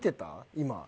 今。